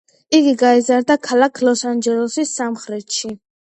იგი გაიზარდა ქალაქ ლოს-ანჯელესის სამხრეთში.